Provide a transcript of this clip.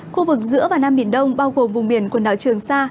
khu vực giữa và nam biển đông bao gồm vùng biển quần đảo trường sa